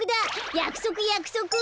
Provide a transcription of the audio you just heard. やくそくやくそく！